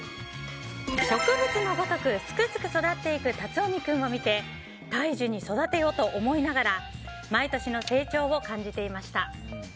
植物のごとくすくすく育っていく龍臣君を見て大樹に育てよと思いながら毎年の成長を感じていました。